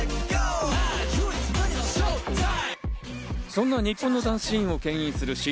そんな日本のダンスシーンをけん引するｓ＊＊